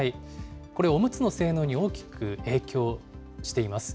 これ、おむつの性能に大きく影響しています。